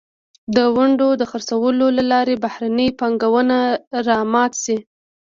د ونډو د خرڅلاو له لارې بهرنۍ پانګونه را مات شي.